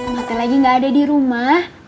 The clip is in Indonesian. mata lagi nggak ada di rumah